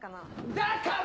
だから！